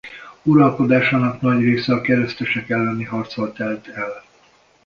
Uralkodásának nagy része a keresztesek elleni harccal telt el.